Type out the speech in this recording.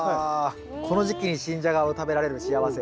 この時期に新ジャガを食べられる幸せ。